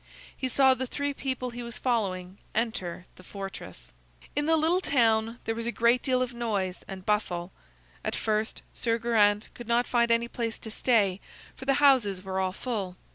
He saw the three people he was following enter the fortress. In the little town there was a great deal of noise and bustle. At first Sir Geraint could not find any place to stay, for the houses were all full.